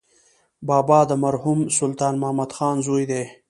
بابا د مرحوم سلطان محمد خان زوی دی.